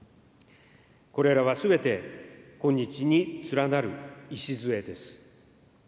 これらはすべて今日に連なる礎です。